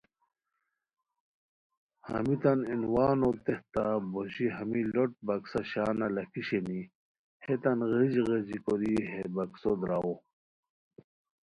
ہمیتان عنوانو تحتہ بوژی ہمی لوٹ بکسہ شانہ لکھی شینی ہیتان غیژی غیژی کوری ہے بکسو دراوے